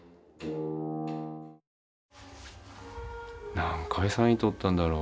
何回３位とったんだろう。